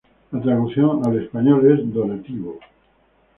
La traducción al español es "donativo".